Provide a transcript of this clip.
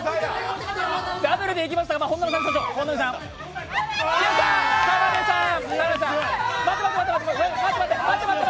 ダブルでいきましたが、本並さん。